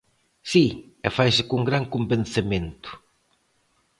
Si, e faise con gran convencemento.